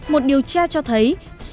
một điều tra cho thấy